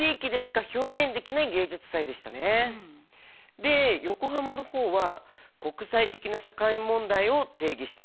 で横浜の方は国際的な社会問題を提起していましたね。